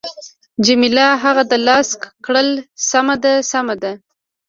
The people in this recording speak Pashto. جميله هغه دلاسا کړل: سمه ده، سمه ده.